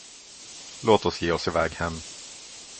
Låt oss ge oss iväg hem.